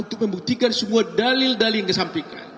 untuk membuktikan semua dalil dalil yang disampaikan